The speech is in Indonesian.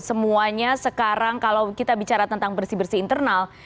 semuanya sekarang kalau kita bicara tentang bersih bersih internal